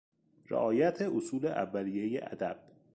رعایت اصول اولیهی ادب